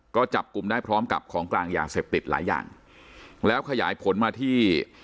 ก็จับกลุ่มได้พร้อมกับของกลางยาเสพติดหลายอย่างแล้วขยายผลมาที่